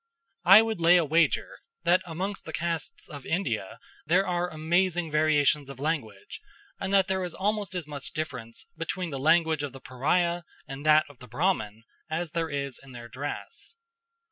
I would lay a wager, that amongst the castes of India there are amazing variations of language, and that there is almost as much difference between the language of the pariah and that of the Brahmin as there is in their dress.